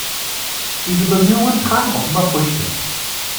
Diese Bemühungen tragen offenbar Früchte.